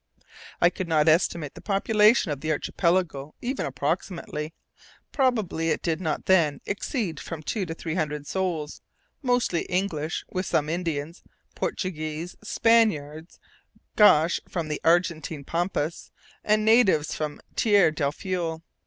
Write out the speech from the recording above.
I could not estimate the population of the Archipelago even approximately. Probably, it did not then exceed from two to three hundred souls, mostly English, with some Indians, Portuguese, Spaniards, Gauchos from the Argentine Pampas, and natives from Tierra Del Fuego.